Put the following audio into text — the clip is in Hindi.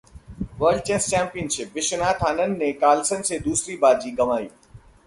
world chess championship: Viswanathan Anand ने कार्लसन से दूसरी बाजी गंवाई